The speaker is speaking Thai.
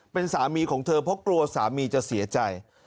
เป็นสามีของเธอเพราะกลัวสามีจะเสียใจ